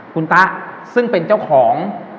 คุณตะซึ่งเป็นเจ้าของ